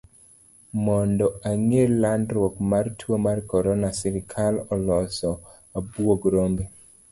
Mondo ogeng' landruok mar tuo mar corona, sirikal oloso abuog rombe.